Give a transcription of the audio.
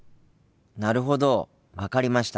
なるほど分かりました。